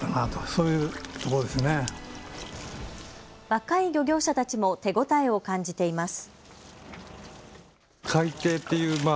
若い漁業者たちも手応えを感じています。